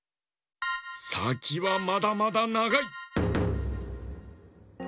さきはまだまだながい！